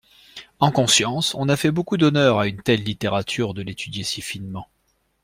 En conscience, on a fait beaucoup d'honneur à une telle littérature de l'étudier si finement.